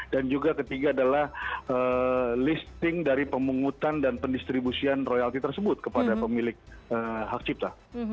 dan juga ketiga adalah listing dari pemungutan dan pendistribusian royalti tersebut kepada pemilik hak cipta